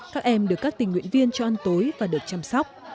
các em được các tình nguyện viên cho ăn tối và được chăm sóc